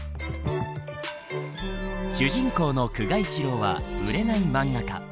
主人公の久我一郎は売れない漫画家。